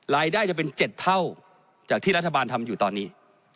รายได้จะเป็น๗เท่าจากที่รัฐบาลทำอยู่ตอนนี้